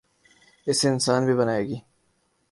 ، اسے انسان بھی بنائے گا۔